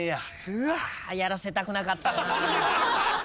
やらせたくなかったな。